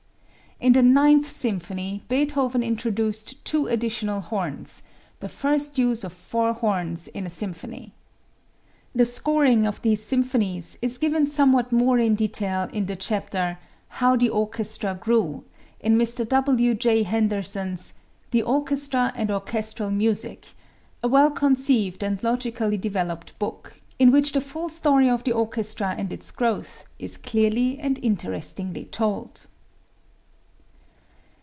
In the Ninth Symphony Beethoven introduced two additional horns, the first use of four horns in a symphony. The scoring of these symphonies is given somewhat more in detail in the chapter "How the Orchestra Grew," in Mr. W. J. Henderson's "The Orchestra and Orchestral Music," a well conceived and logically developed book, in which the full story of the orchestra and its growth is clearly and interestingly told.